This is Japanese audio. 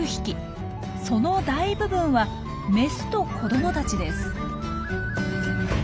その大部分はメスと子どもたちです。